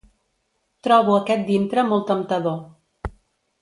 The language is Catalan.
Trobo aquest dintre molt temptador.